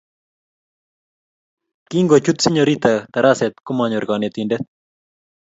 Kingochut Sinyorita taraset komanyor kanetindet